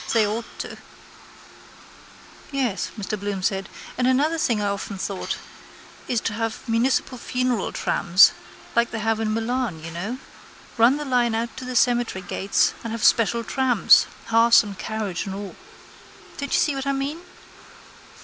They ought to. —Yes, Mr Bloom said, and another thing I often thought, is to have municipal funeral trams like they have in Milan, you know. Run the line out to the cemetery gates and have special trams, hearse and carriage and all. Don't you see what I mean?